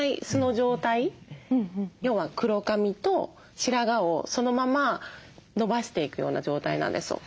要は黒髪と白髪をそのまま伸ばしていくような状態なんですよ。